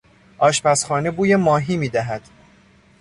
آشپزخانه بوی ماهی می دهد.